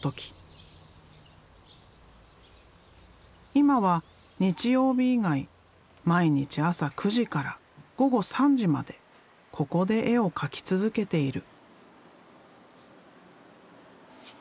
今は日曜日以外毎日朝９時から午後３時までここで絵を描き続けている。